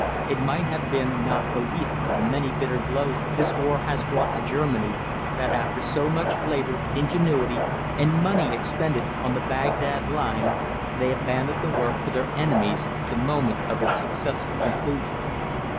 It must have been not the least of the many bitter blows this war has brought to Germany, that after so much labor, ingenuity, and money expended on the Bagdad line, they abandoned the work to their enemies at the moment of its successful conclusion.